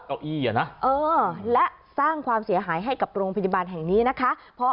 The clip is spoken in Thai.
เออและสร้างความเสียหายให้กับโรงพยาบาลแห่งนี้นะคะ